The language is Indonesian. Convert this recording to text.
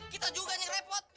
kita juga yang repot